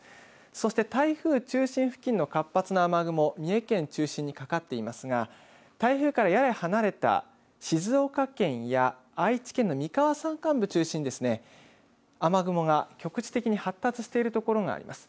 そして台風中心付近の活発な雨雲、三重県中心にかかっていますが、台風からやや離れた静岡県や愛知県のみかわ山間部中心に、雨雲が局地的に発達している所があります。